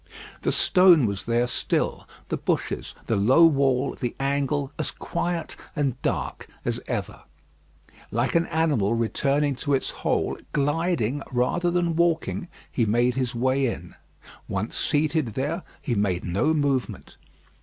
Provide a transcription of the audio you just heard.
The stone was there still; the bushes, the low wall, the angle, as quiet and dark as ever. Like an animal returning to its hole, gliding rather than walking, he made his way in. Once seated there, he made no movement.